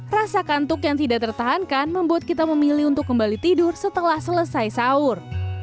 rasa kantuk yang tidak tertahankan membuat kita memilih untuk kembali tidur setelah selesai sahur